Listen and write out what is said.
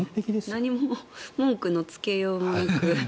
何も文句のつけようもなく。